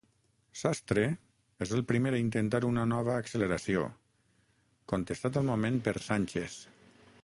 Sastre és el primer a intentar una nova acceleració, contestat al moment per Sánchez.